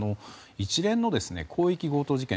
一連の広域強盗事件